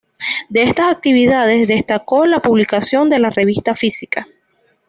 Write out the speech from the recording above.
De estas actividades destacó la publicación de la revista "Física".